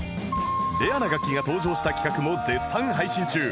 レアな楽器が登場した企画も絶賛配信中